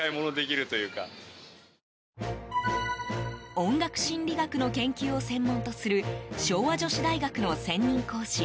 音楽心理学の研究を専門とする昭和女子大学の専任講師